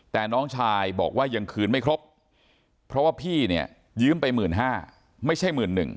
แต่น้องชายบอกว่ายังคืนไม่ครบเพราะว่าพี่เนี่ยยืมไป๑๕๐๐ไม่ใช่๑๑๐๐